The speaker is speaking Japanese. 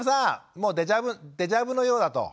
もうデジャブのようだと。